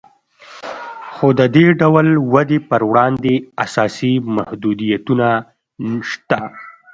خو د دې ډول ودې پر وړاندې اساسي محدودیتونه شته